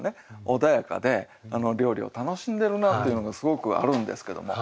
穏やかで料理を楽しんでるなっていうのがすごくあるんですけども。